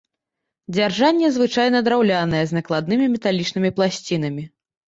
Дзяржанне звычайна драўлянае з накладнымі металічнымі пласцінамі.